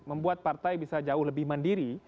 membuat partai bisa jauh lebih mandiri